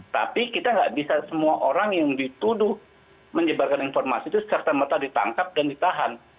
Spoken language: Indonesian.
tapi kita nggak bisa semua orang yang dituduh menyebarkan informasi itu serta merta ditangkap dan ditahan